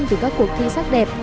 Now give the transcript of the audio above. từ các cuộc thi sắc đẹp